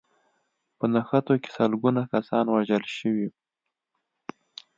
په نښتو کې سلګونه کسان وژل شوي